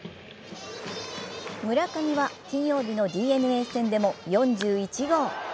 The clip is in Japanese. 村上は金曜日のＤｅＮＡ戦でも４１号。